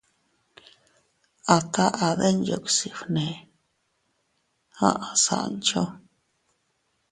—A taʼa Denyuksi fnee —aʼa Sancho—.